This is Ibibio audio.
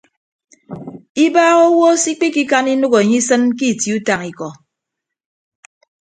Ibaaha owo se ikpikikan inәk enye isịn ke itie utañ ikọ.